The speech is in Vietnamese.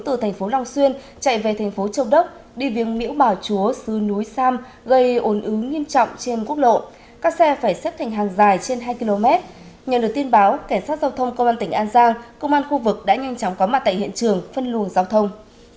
từ tp long xuyên chạy về tp châu đốc đi viếng miễu bảo chúa sư núi sam gây ồn ứng nghiêm trọng trên quốc lộ các xe phải xếp thành hàng dài trên hai km nhận được tin báo cảnh sát giao thông công an tỉnh an giang công an khu vực đã nhanh chóng có mặt tại hiện trường phân lùi giao thông